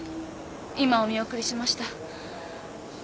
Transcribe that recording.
今お見送りしました。